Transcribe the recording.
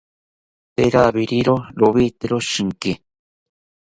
Tee rawiero rowitero shinki